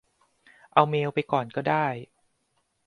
เอาเมล์ไปก้อได้